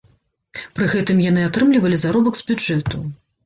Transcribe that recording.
Пры гэтым яны атрымлівалі заробак з бюджэту.